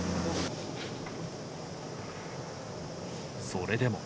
それでも。